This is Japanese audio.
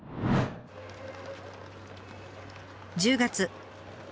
１０月。